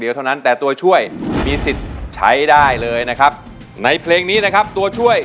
เท่านั้นแต่ตัวช่วยมีสิทธิ์ใช้ได้เลยนะครับในเพลงนี้นะครับตัวช่วย